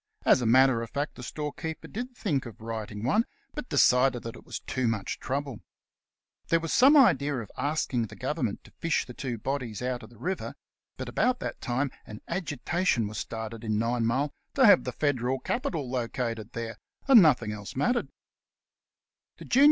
As a matter of fact the storekeeper did think of writing one, but decided that it was too much trouble. There 32 The Cast iron Canvasser was some idea of asking the Government to fish the two bodies out of the river ; but about that time an agitation was started in Ninemile to have the Federal Capital located there, and nothing else mattered.